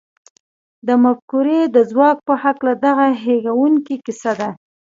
د مفکورې د ځواک په هکله دغه هیښوونکې کیسه ده